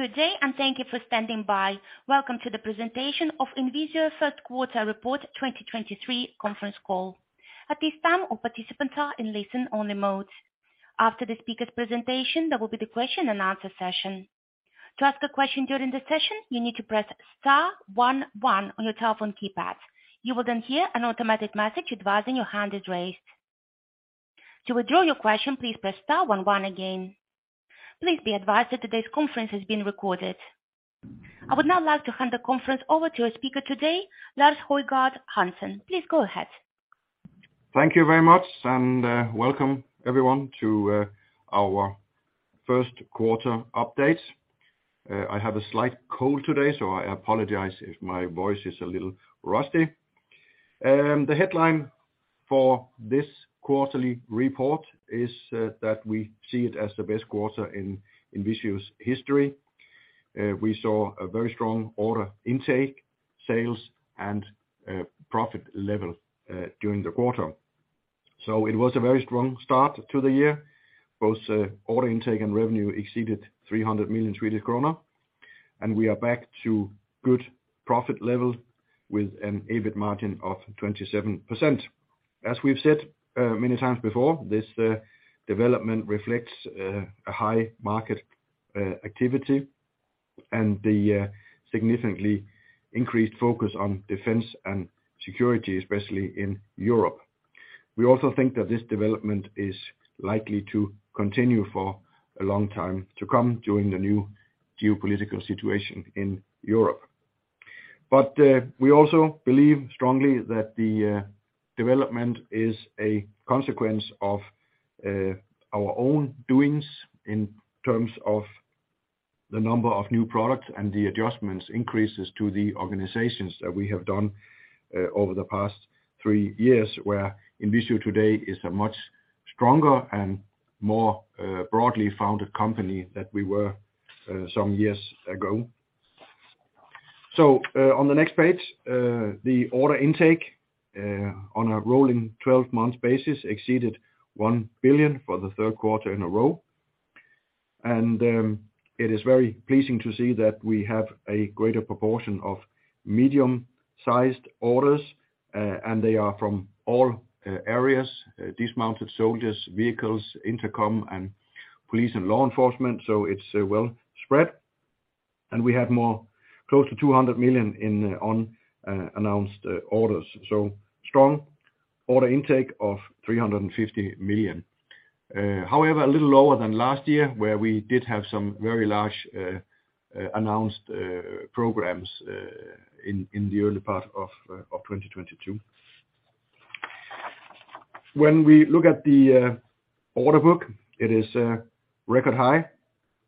Good day. Thank you for standing by. Welcome to the presentation of INVISIO Q3 report 2023 conference call. At this time, all participants are in listen only mode. After the speaker's presentation, there will be the question and answer session. To ask a question during the session, you need to press star one one on your telephone keypad. You will hear an automatic message advising your hand is raised. To withdraw your question, please press star one one again. Please be advised that today's conference is being recorded. I would now like to hand the conference over to our speaker today, Lars Højgard Hansen. Please go ahead. Thank you very much. Welcome everyone to our Q1 update. I have a slight cold today. I apologize if my voice is a little rusty. The headline for this quarterly report is that we see it as the best quarter in INVISIO's history. We saw a very strong order intake, sales and profit level during the quarter. It was a very strong start to the year. Both order intake and revenue exceeded 300 million Swedish kronor, and we are back to good profit level with an EBIT margin of 27%. As we've said many times before, this development reflects a high market activity and the significantly increased focus on defense and security, especially in Europe. We also think that this development is likely to continue for a long time to come during the new geopolitical situation in Europe. We also believe strongly that the development is a consequence of our own doings in terms of the number of new products and the adjustments increases to the organizations that we have done over the past three years, where INVISIO today is a much stronger and more broadly founded company than we were some years ago. On the next page, the order intake on a rolling 12-month basis exceeded 1 billion for the Q3 in a row. It is very pleasing to see that we have a greater proportion of medium-sized orders, and they are from all areas, dismounted soldiers, vehicles, INVISIO Intercom, and police and law enforcement, so it's well spread. We have more close to 200 million in unannounced orders. Strong order intake of 350 million. However, a little lower than last year, where we did have some very large announced programs in the early part of 2022. When we look at the order book, it is record high.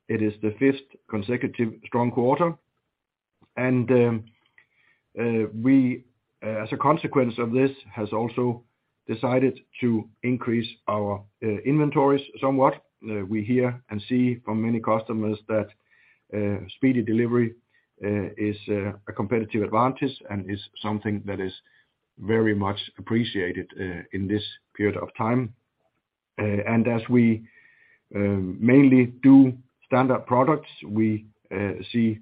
It is the fifth consecutive strong quarter. We as a consequence of this, has also decided to increase our inventories somewhat. We hear and see from many customers that speedy delivery is a competitive advantage and is something that is very much appreciated in this period of time. As we mainly do standard products, we see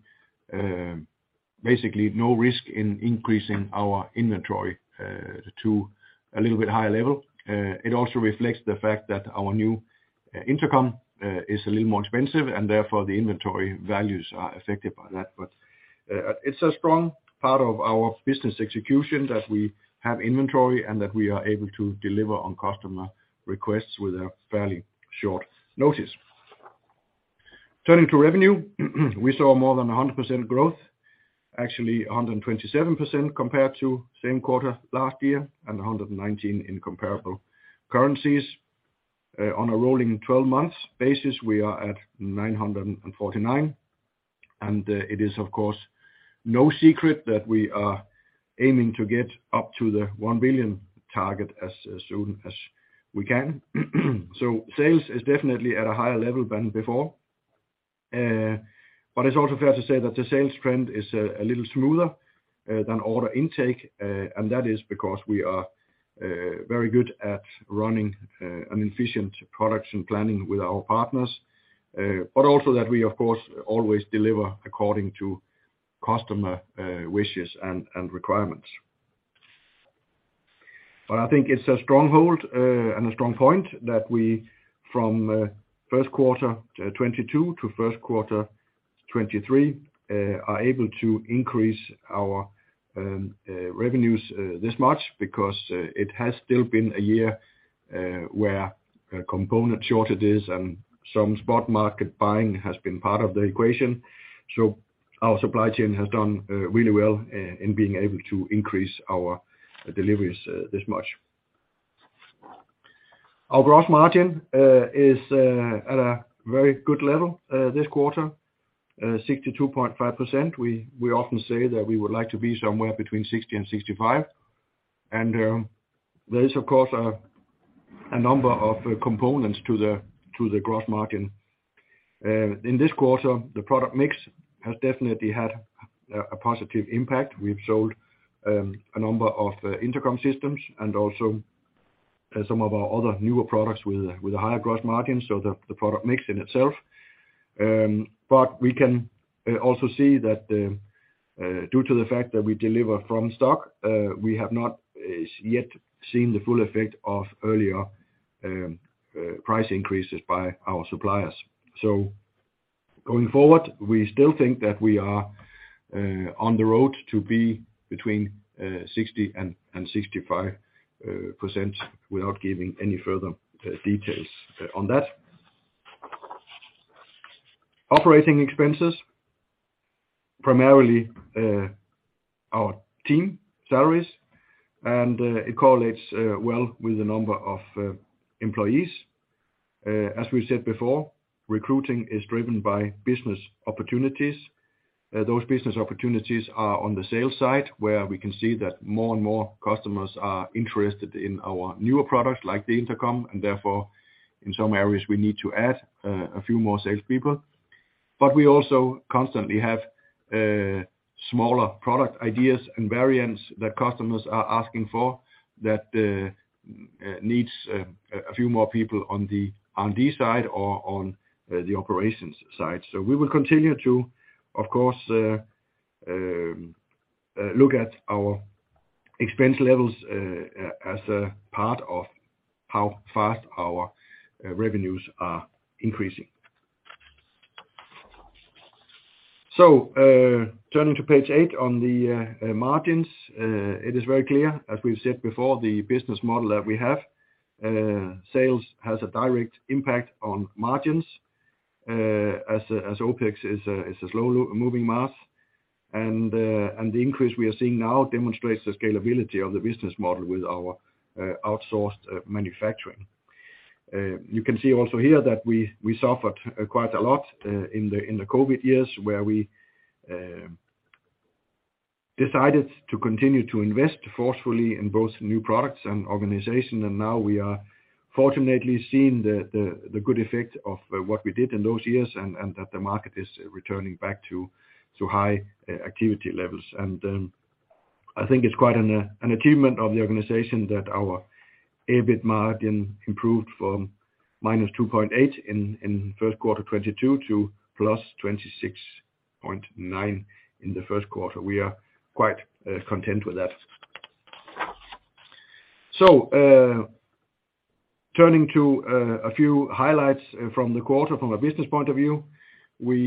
basically no risk in increasing our inventory to a little bit higher level. It also reflects the fact that our new intercom is a little more expensive and therefore the inventory values are affected by that. It's a strong part of our business execution that we have inventory and that we are able to deliver on customer requests with a fairly short notice. Turning to revenue, we saw more than 100% growth, actually 127% compared to same quarter last year, and 119% in comparable currencies. On a rolling 12 months basis, we are at 949 million, it is of course, no secret that we are aiming to get up to the 1 billion target as soon as we can. Sales is definitely at a higher level than before. It's also fair to say that the sales trend is a little smoother than order intake. That is because we are very good at running an efficient production planning with our partners. Also that we of course, always deliver according to customer wishes and requirements. I think it's a stronghold and a strong point that we from Q1 2022 to Q1 2023 are able to increase our revenues this much because it has still been a year where component shortages and some spot market buying has been part of the equation. Our supply chain has done really well in being able to increase our deliveries this much. Our gross margin is at a very good level this quarter, 62.5%. We often say that we would like to be somewhere between 60% and 65%. There is of course a number of components to the gross margin. In this quarter, the product mix has definitely had a positive impact. We've sold a number of intercom systems and also some of our other newer products with a higher gross margin, so the product makes in itself. We can also see that due to the fact that we deliver from stock, we have not as yet seen the full effect of earlier price increases by our suppliers. Going forward, we still think that we are on the road to be between 60% and 65% without giving any further details on that. Operating expenses, primarily our team salaries, it correlates well with the number of employees. As we said before, recruiting is driven by business opportunities. Those business opportunities are on the sales side, where we can see that more and more customers are interested in our newer products like the Intercom, and therefore in some areas, we need to add a few more salespeople. We also constantly have smaller product ideas and variants that customers are asking for that needs a few more people on this side or on the operations side. We will continue to, of course, look at our expense levels as a part of how fast our revenues are increasing. Turning to page eight on the margins, it is very clear, as we've said before, the business model that we have, sales has a direct impact on margins as OPEX is a slow moving mass. The increase we are seeing now demonstrates the scalability of the business model with our outsourced manufacturing. You can see also here that we suffered quite a lot in the COVID years, where we decided to continue to invest forcefully in both new products and organization. Now we are fortunately seeing the good effect of what we did in those years and that the market is returning back to high activity levels. I think it's quite an achievement of the organization that our EBIT margin improved from -2.8% in Q1 2022 to +26.9% in the Q1. We are quite content with that. Turning to a few highlights from the quarter from a business point of view, we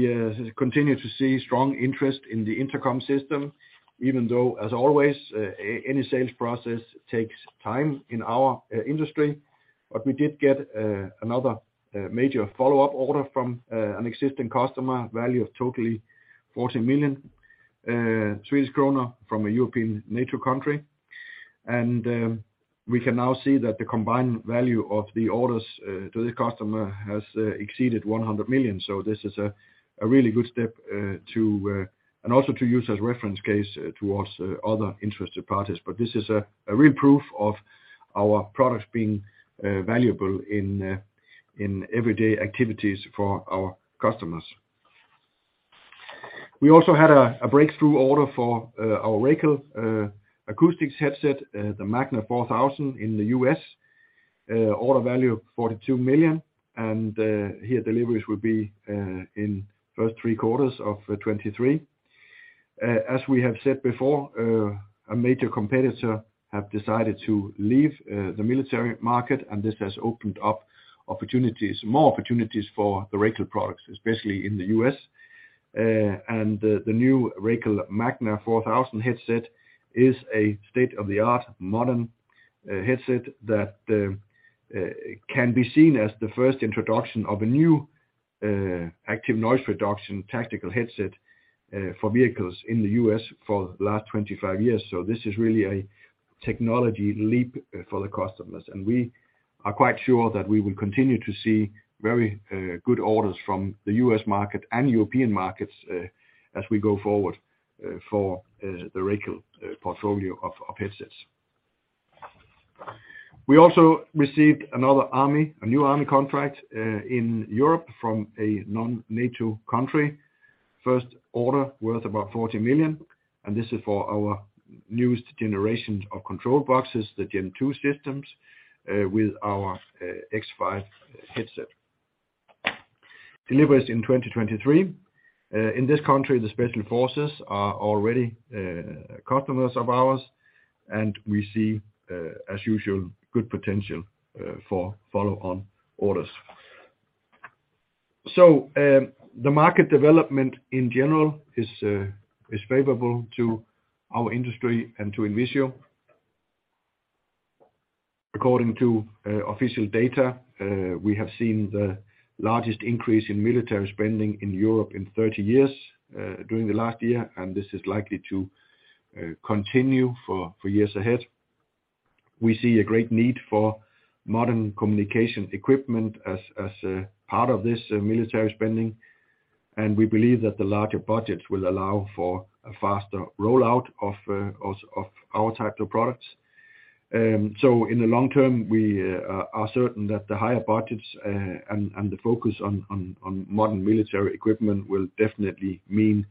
continue to see strong interest in the INVISIO Intercom, even though as always, any sales process takes time in our industry. We did get another major follow-up order from an existing customer, value of totally 40 million Swedish kronor from a European NATO country. We can now see that the combined value of the orders to this customer has exceeded 100 million. This is a really good step to and also to use as reference case towards other interested parties. This is a real proof of our products being valuable in everyday activities for our customers. We also had a breakthrough order for our Racal Acoustics headset, the RA4000 Magna in the US, order value of 42 million, here deliveries will be in first three quarters of 2023. As we have said before, a major competitor have decided to leave the military market, this has opened up opportunities, more opportunities for the Racal products, especially in the US. The new Racal RA4000 Magna headset is a state-of-the-art modern headset that can be seen as the first introduction of a new active noise reduction tactical headset for vehicles in the US for the last 25 years. This is really a technology leap for the customers. We are quite sure that we will continue to see very good orders from the U.S. market and European markets as we go forward for the Racal portfolio of headsets. We also received a new army contract in Europe from a non-NATO country. First order worth about 40 million, and this is for our newest generations of control boxes, the Gen II systems, with our X5 headset. Delivers in 2023. In this country, the special forces are already customers of ours, and we see as usual good potential for follow-on orders. The market development in general is favorable to our industry and to INVISIO. According to official data, we have seen the largest increase in military spending in Europe in 30 years, during the last year, and this is likely to continue for years ahead. We see a great need for modern communication equipment as a part of this military spending, and we believe that the larger budgets will allow for a faster rollout of our type of products. So in the long term, we are certain that the higher budgets and the focus on modern military equipment will definitely mean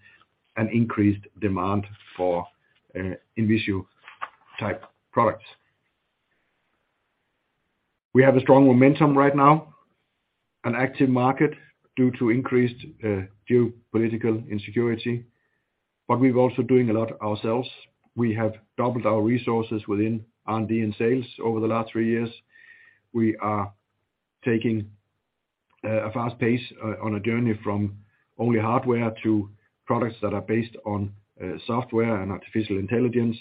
an increased demand for INVISIO type products. We have a strong momentum right now, an active market due to increased geopolitical insecurity, but we're also doing a lot ourselves. We have doubled our resources within R&D and sales over the last three years. We are taking a fast pace on a journey from only hardware to products that are based on software and artificial intelligence.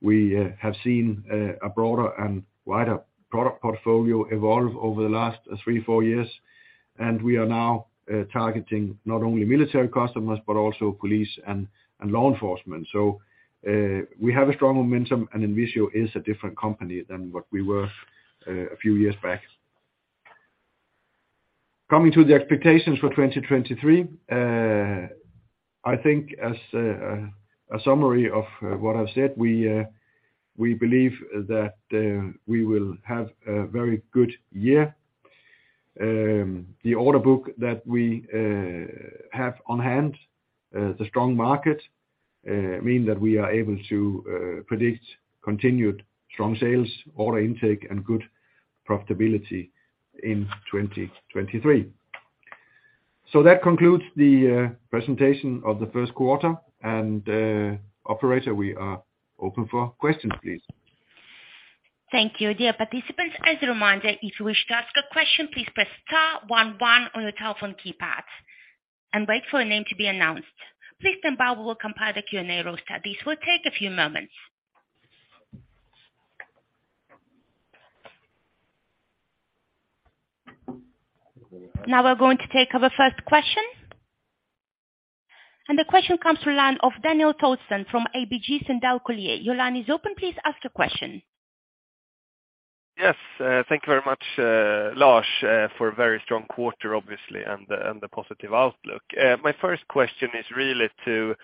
We have seen a broader and wider product portfolio evolve over the last three, four years, and we are now targeting not only military customers but also police and law enforcement. We have a strong momentum, and INVISIO is a different company than what we were a few years back. Coming to the expectations for 2023, I think as a summary of what I've said, we believe that we will have a very good year. The order book that we have on hand, the strong market, mean that we are able to predict continued strong sales, order intake, and good profitability in 2023. That concludes the presentation of the Q1. Operator, we are open for questions, please. Thank you. Dear participants, as a reminder, if you wish to ask a question, please press star one one on your telephone keypad and wait for your name to be announced. Please stand by. We will compile the Q&A roster. This will take a few moments. Now we're going to take our first question, and the question comes from line of Daniel Thorsson from ABG Sundal Collier. Your line is open. Please ask a question. Yes, thank you very much, Lars, for a very strong quarter, obviously, and the positive outlook. My first question is really to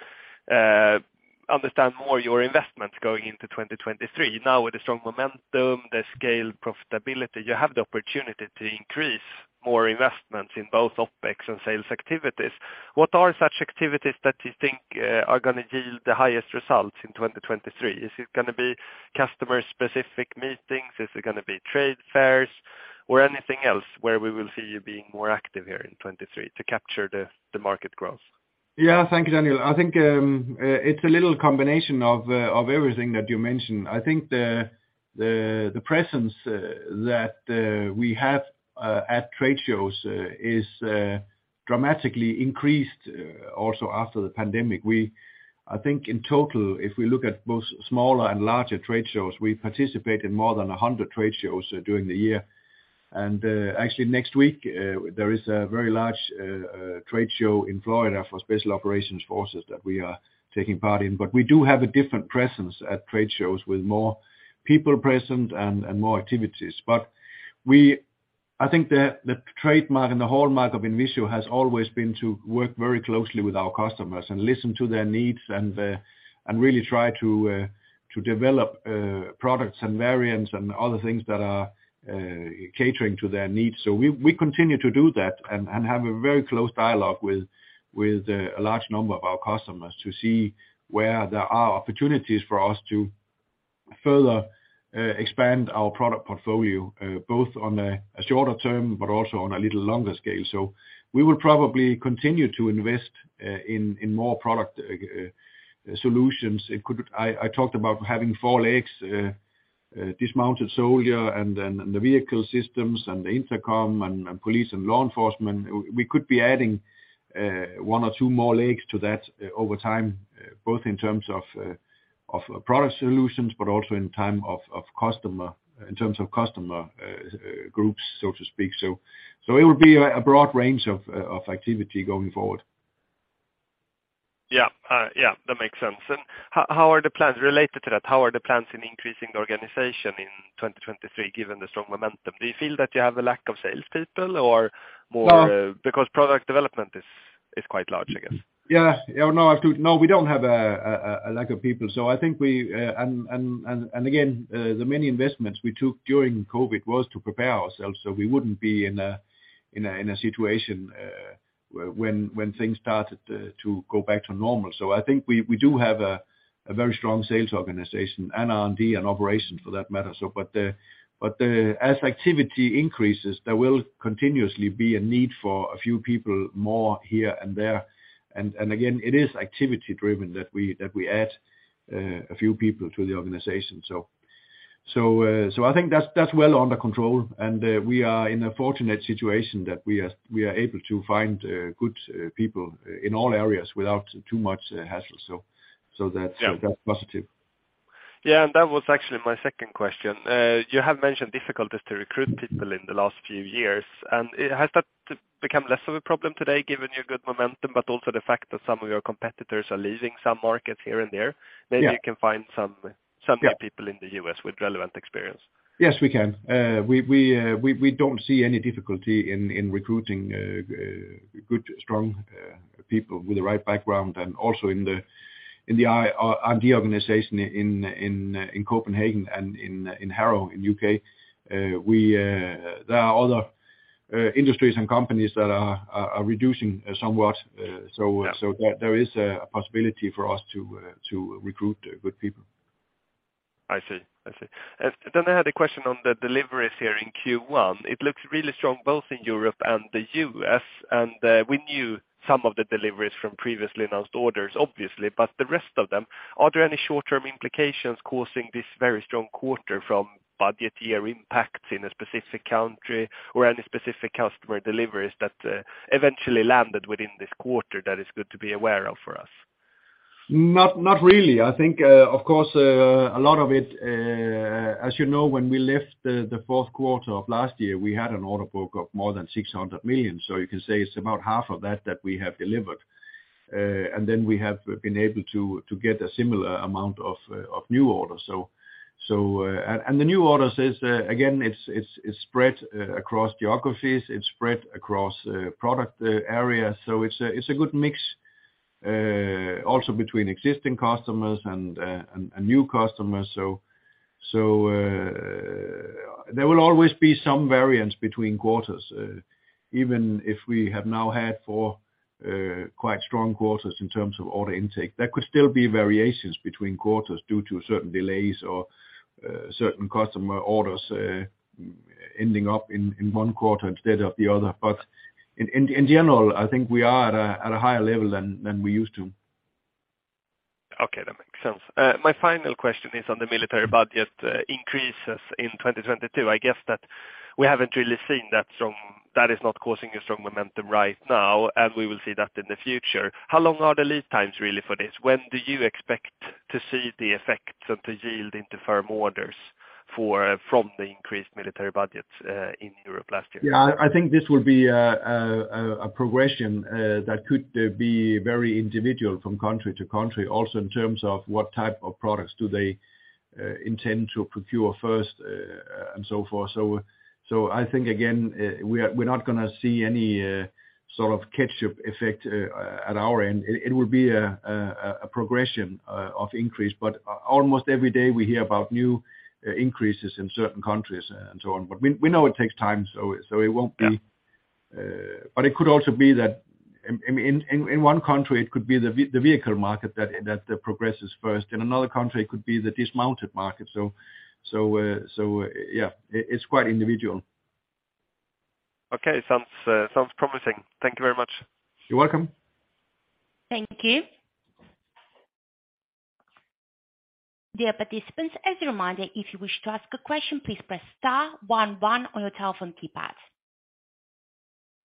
understand more your investments going into 2023. Now, with the strong momentum, the scale profitability, you have the opportunity to increase more investments in both OPEX and sales activities. What are such activities that you think are gonna yield the highest results in 2023? Is it gonna be customer-specific meetings? Is it gonna be trade fairs or anything else where we will see you being more active here in 2023 to capture the market growth? Yeah. Thank you, Daniel. I think it's a little combination of everything that you mentioned. I think the presence that we have at trade shows is dramatically increased also after the pandemic. I think in total, if we look at both smaller and larger trade shows, we participate in more than 100 trade shows during the year. Actually next week, there is a very large trade show in Florida for special operations forces that we are taking part in. We do have a different presence at trade shows with more people present and more activities. I think the trademark and the hallmark of INVISIO has always been to work very closely with our customers and listen to their needs and really try to develop products and variants and other things that are catering to their needs. We, we continue to do that and have a very close dialogue with a large number of our customers to see where there are opportunities for us to further expand our product portfolio, both on a shorter term but also on a little longer scale. We will probably continue to invest in more product solutions. I talked about having four legs, dismounted soldier and then, and the vehicle systems and the intercom and police and law enforcement. We could be adding one or two more legs to that over time, both in terms of product solutions but also in time of customer, in terms of customer groups, so to speak. It will be a broad range of activity going forward. Yeah. Yeah, that makes sense. How are the plans related to that? How are the plans in increasing the organization in 2023, given the strong momentum? Do you feel that you have a lack of sales people? No. Because product development is quite large, I guess. Yeah. Yeah. No, absolutely. No, we don't have a lack of people. I think we and again, the many investments we took during COVID was to prepare ourselves, so we wouldn't be in a situation when things started to go back to normal. I think we do have a very strong sales organization and R&D and operations for that matter. But as activity increases, there will continuously be a need for a few people more here and there. Again, it is activity driven that we add a few people to the organization. I think that's well under control. We are in a fortunate situation that we are able to find, good people in all areas without too much hassle. That's. Yeah. That's positive. Yeah. That was actually my second question. You have mentioned difficulties to recruit people in the last few years. Has that become less of a problem today, given your good momentum, but also the fact that some of your competitors are leaving some markets here and there? Yeah. Maybe you can find. Yeah. Some new people in the U.S. with relevant experience. Yes, we can. We don't see any difficulty in recruiting good, strong people with the right background and also in the R&D organization in Copenhagen and in Hadlow, in U.K. We, there are other industries and companies that are reducing somewhat. Yeah. There is a possibility for us to recruit good people. I see. I see. I had a question on the deliveries here in Q1. It looks really strong, both in Europe and the U.S., and we knew some of the deliveries from previously announced orders, obviously, but the rest of them, are there any short-term implications causing this very strong quarter from budget year impacts in a specific country or any specific customer deliveries that eventually landed within this quarter that is good to be aware of for us? Not really. I think, of course, a lot of it, as you know, when we left the Q4 of last year, we had an order book of more than 600 million. You can say it's about half of that we have delivered. Then we have been able to get a similar amount of new orders. And the new orders is again, it's spread across geographies, it's spread across product areas. It's a good mix also between existing customers and new customers. There will always be some variance between quarters. Even if we have now had four quite strong quarters in terms of order intake, there could still be variations between quarters due to certain delays or certain customer orders ending up in one quarter instead of the other. In general, I think we are at a higher level than we used to. Okay, that makes sense. My final question is on the military budget, increases in 2022. I guess that we haven't really seen that is not causing a strong momentum right now, and we will see that in the future. How long are the lead times really for this? When do you expect to see the effects of the yield into firm orders from the increased military budgets in Europe last year? Yeah, I think this will be a progression that could be very individual from country to country, also in terms of what type of products do they intend to procure first, and so forth. I think, again, we're not gonna see any sort of catch-up effect at our end. It will be a progression of increase. Almost every day, we hear about new increases in certain countries and so on. We know it takes time, so it won't be. Yeah. it could also be that in one country, it could be the vehicle market that progresses first. In another country, it could be the dismounted market. Yeah, it's quite individual. Okay. Sounds, sounds promising. Thank you very much. You're welcome. Thank you. Dear participants, as a reminder, if you wish to ask a question, please press star one one on your telephone keypad.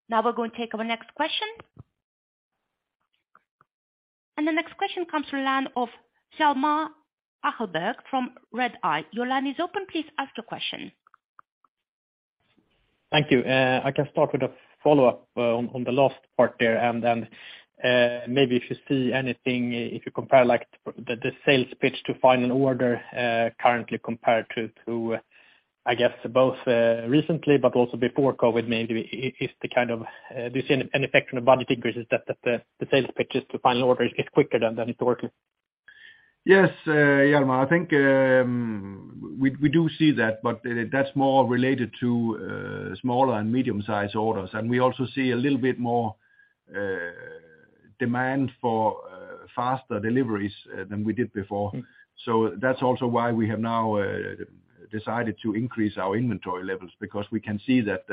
Now we're going to take our next question. The next question comes to line of Hjalmar Ahlberg from Redeye. Your line is open. Please ask your question. Thank you. I can start with a follow-up on the last part there, and then maybe if you see anything, if you compare, like, the sales pitch to final order, currently compared to, I guess, both recently, but also before COVID, maybe is the kind of, do you see an effect on the budget increases that the sales pitch is to final order is quicker than it was? Yes, Hjalmar, I think, we do see that, but that's more related to smaller and medium-sized orders. We also see a little bit more demand for faster deliveries than we did before. Mm-hmm. That's also why we have now decided to increase our inventory levels, because we can see that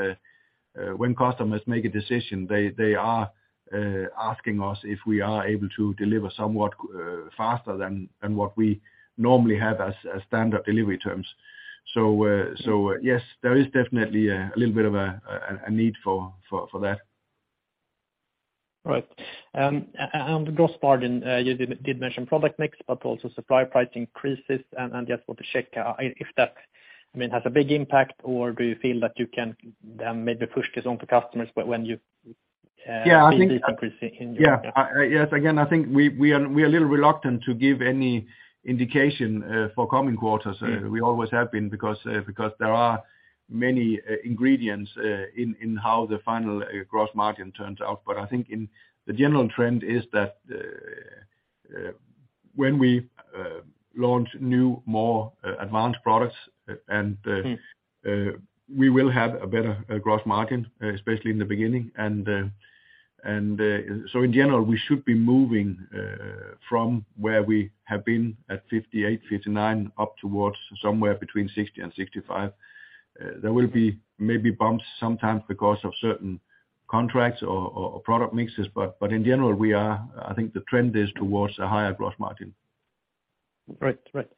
when customers make a decision, they are asking us if we are able to deliver somewhat faster than what we normally have as standard delivery terms. Yes, there is definitely a little bit of a need for that. All right. And the gross margin, you did mention product mix, but also supply price increases. Just want to check if that, I mean, has a big impact, or do you feel that you can maybe push this on to customers when you Yeah. See the increase in demand. Yes. Again, I think we are a little reluctant to give any indication for coming quarters. Mm-hmm. We always have been because there are many ingredients in how the final gross margin turns out. I think in the general trend is that when we launch new, more advanced products, and. Mm-hmm. We will have a better gross margin, especially in the beginning. In general, we should be moving from where we have been at 58%, 59%, up towards somewhere between 60% and 65%. There will be maybe bumps sometimes because of certain contracts or product mixes, but in general, I think the trend is towards a higher gross margin. Right. Right.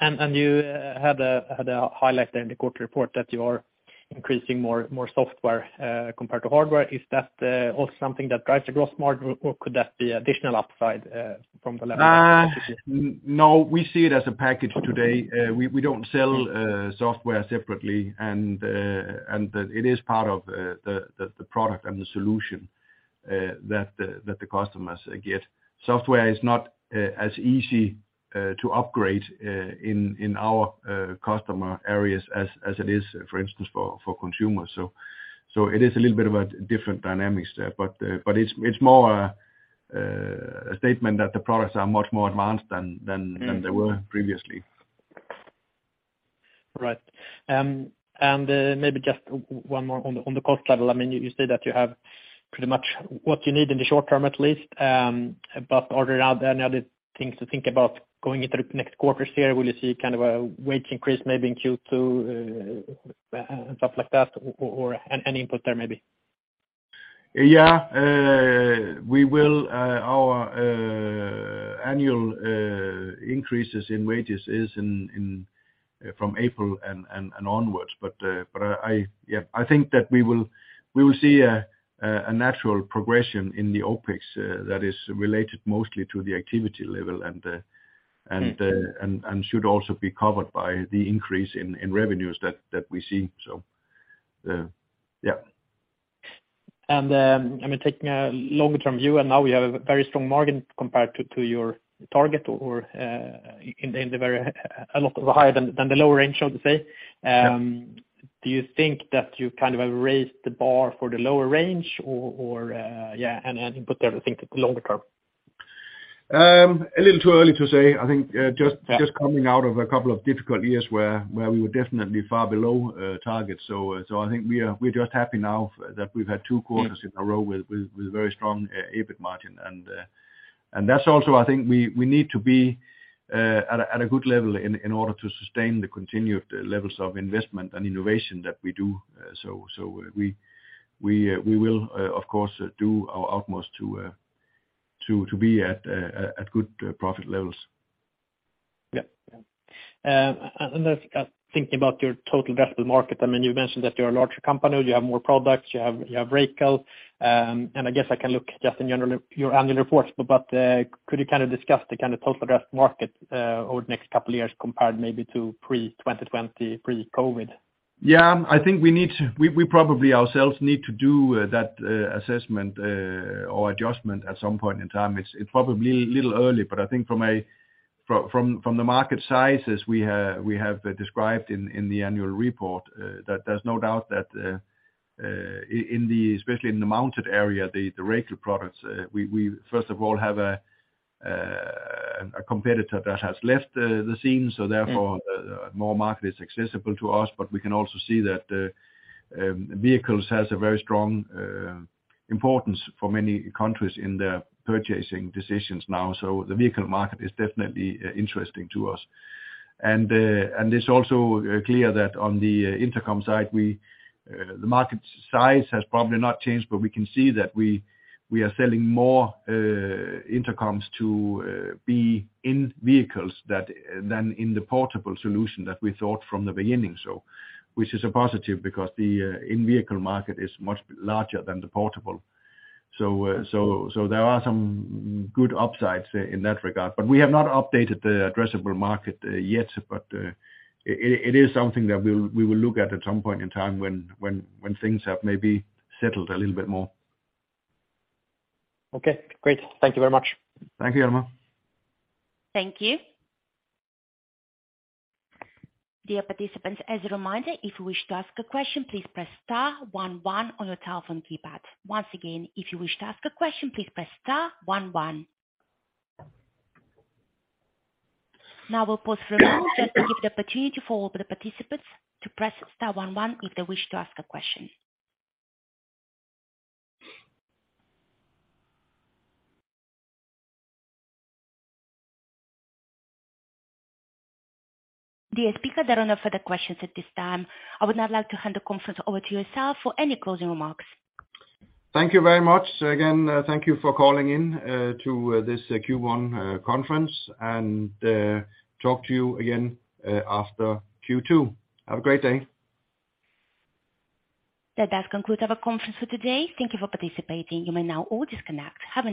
You had a highlight in the quarter report that you are increasing more software compared to hardware. Is that also something that drives the gross margin, or could that be additional upside from the level of. No, we see it as a package today. We don't sell software separately and it is part of the product and the solution that the customers get. Software is not as easy to upgrade in our customer areas as it is, for instance, for consumers. It is a little bit of a different dynamics there, but it's more a statement that the products are much more advanced than they were previously. Right. Maybe just one more on the, on the cost level. I mean, you said that you have pretty much what you need in the short term at least. Are there any other things to think about going into the next quarters here? Will you see kind of a wage increase maybe in Q2, stuff like that, or any input there, maybe? Yeah. We will, our annual increases in wages is in from April and onwards. I, yeah, I think that we will see a natural progression in the OPEX that is related mostly to the activity level and should also be covered by the increase in revenues that we see, so yeah. I mean, taking a longer-term view, and now we have a very strong margin compared to your target or, in the very, a lot higher than the lower range, shall we say. Do you think that you kind of have raised the bar for the lower range or, yeah, any input there to think longer-term? A little too early to say. I think, just. Yeah. Just coming out of a couple of difficult years where we were definitely far below target. I think we're just happy now that we've had two quarters in a row with very strong EBIT margin. That's also, I think we need to be at a good level in order to sustain the continued levels of investment and innovation that we do. We will, of course, do our utmost to be at good profit levels. Yeah. Just thinking about your total addressable market, I mean, you mentioned that you're a larger company, you have more products, you have Racal. I guess I can look just in general your annual reports, but could you kind of discuss the kind of total addressed market over the next couple of years compared maybe to pre-2020, pre-COVID? Yeah. I think we need to. We probably ourselves need to do that assessment or adjustment at some point in time. It's probably a little early, but I think from the market sizes we have described in the annual report, that there's no doubt that in the, especially in the mounted area, the Racal products, we first of all have a competitor that has left the scene, so therefore more market is accessible to us. We can also see that vehicles has a very strong importance for many countries in their purchasing decisions now. The vehicle market is definitely interesting to us. It's also clear that on the Intercom side, we, the market size has probably not changed, but we can see that we are selling more, Intercoms to, be in vehicles that than in the portable solution that we thought from the beginning. Which is a positive because the, in-vehicle market is much larger than the portable. So there are some good upsides in that regard, but we have not updated the addressable market, yet. It is something that we will look at at some point in time when things have maybe settled a little bit more. Okay, great. Thank you very much. Thank you, Hjalmar. Thank you. Dear participants, as a reminder, if you wish to ask a question, please press star one one on your telephone keypad. Once again, if you wish to ask a question, please press star one one. Now we'll pause for a moment just to give the opportunity for all the participants to press star one one if they wish to ask a question. Dear speaker, there are no further questions at this time. I would now like to hand the conference over to yourself for any closing remarks. Thank you very much. Again, thank you for calling in, to this Q1 conference and talk to you again after Q2. Have a great day. That does conclude our conference for today. Thank you for participating. You may now all disconnect. Have a nice day.